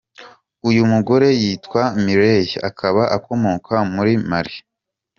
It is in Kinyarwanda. Uyu mugore yitwa Mireille, akaba akomoka muri Mali.